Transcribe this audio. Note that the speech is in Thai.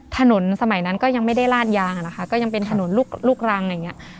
ถนนสมัยนั้นก็ยังไม่ได้ลาดยางอะนะคะก็ยังเป็นถนนลูกรังอย่างเงี้ย